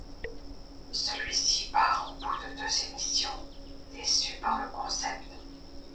Celui-ci part au bout de deux émissions, déçu par le concept.